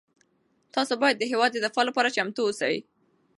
تاسو باید د هېواد د دفاع لپاره چمتو اوسئ.